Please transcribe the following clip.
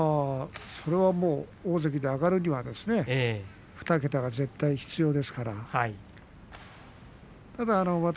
それはもう大関に上がるには２桁が絶対必要ですから